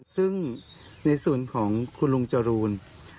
ซึ่งในส่วนของคุณลุงจรูน